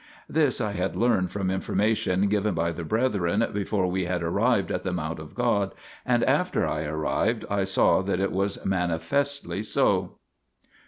This I had learned from information given by the brethren before we had arrived at the mount of God, and after I arrived I saw that it was manifestly so.